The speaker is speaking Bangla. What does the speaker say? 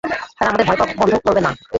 তারা আমাদের ভয় পাওয়া বন্ধ করবে না।